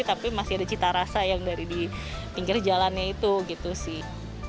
tapi masih ada cita rasa yang dari di pinggir jalannya itu gitu sih